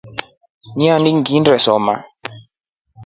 Ini ngilinda nginesoma.